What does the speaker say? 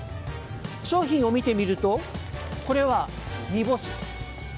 商品を見てみると、これは煮干し。